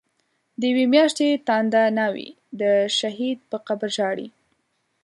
دیوی میاشتی تانده ناوی، د شهید په قبر ژاړی